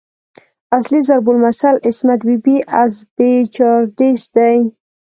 اصلي ضرب المثل "عصمت بي بي از بې چادريست" دی.